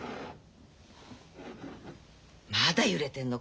まだ揺れてんの？